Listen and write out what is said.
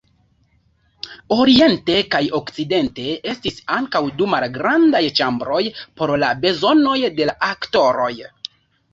Oriente kaj okcidente estis ankaŭ du malgrandaj ĉambroj por la bezonoj de la aktoroj.